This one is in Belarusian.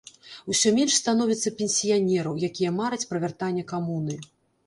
Усё менш становіцца пенсіянераў, якія мараць пра вяртанне камуны.